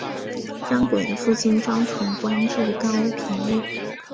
张轨的父亲张崇官至高平令。